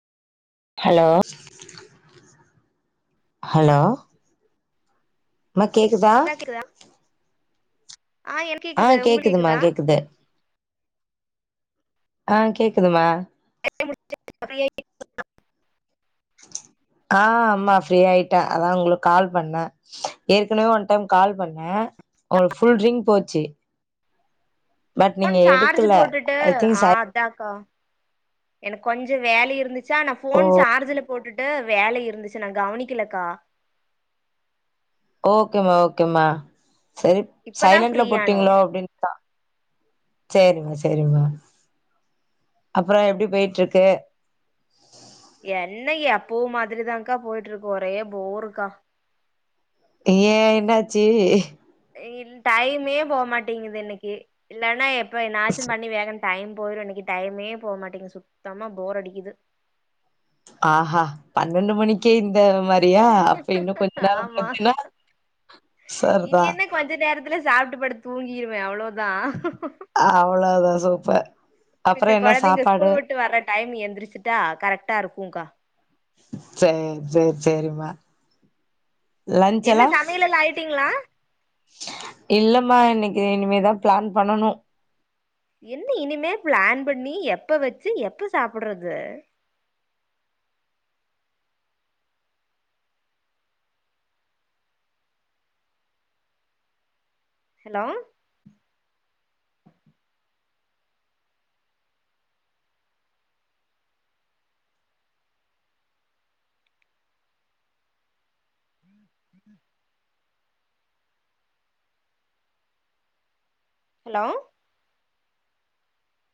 hello hello அம்மா கேக்குதா கிளா கேக்குதா ஆ எனக்கு ஆ கேக்குது உங்களுக்கு கேக்குதும்மா கேக்குதா கேக்குது ஆ கேக்குதும்மா [inaudible] ஆ ஆம்மா ஃப்ரீயா ஆயிட்டே அதா உங்களுக்கு கால் பண்ணே ஏற்கனவே ஒன் டைம் கால் பண்ணே உங்களுக்கு புல் ரிங்க் போச்சு பட் போன் நீங்க சார்ஜ் எடுக்கல போட்டுட்டு ஐ திங்க் ஆ சை அதாக்கா எனக்கு கொஞ்ச வேல இருந்துச்சா நா ஓ ஃபோன் சார்ஜ்ல போட்டுட்டு வேல இருந்துச்சு நா கவனிக்கலக்கா ஓகேமா ஓகேமா சரி இப்பதா சைலன்ட்ல ஃப்ரீயானே போட்டீங்களோ அப்டின்னு சேரிமா சேரிமா அப்புறோ எப்புடி போயிட்டு இருக்கு என்ன எப்போ மாதிரிதாங்கா போயிட்டு இருக்கு ஒரே போர்ருக்கா ஏ என்னாச்சு டைமே போமாட்டேங்குது இன்னைக்கு இல்லன்னா எப்ப என்னாச்சு பண்ணி வேல டைம் போயிரு இன்னைக்கு டைமே போக மாட்டேகி சுத்தமா போர் அடிக்குது ஆஹா பன்னெண்டு மணிக்கே இந்த மா அப்டியா அப்ப இன்னு கொஞ்ச நேரோ ஆமா போச்சின்னா சர்தா த்துல சாப்ட்டு படுத் தூங்கிருவே அவ்ளோ தா அவ்ளோ தா சூப்பர் அப்பறோ பின்ன என்ன கொழந்தைங்க சாப்பாடு ஸ்கூல விட்டு வர்ற டைம் எந்திரிச்சிட்டா கரெக்ட்டா இருக்குங்கா சேர் சேரி சேரிம்மா லன்ச் என்ன எல்லா சமையலெல்லா ஆயிட்டீங்களா இல்லம்மா இன்னக்கி இனிமேதா பிளான் பண்ணனு என்ன இனிமே பிளான் பண்ணி எப்ப வச்சி எப்ப சாப்ட்றது ஹலோ ம் ஹலோ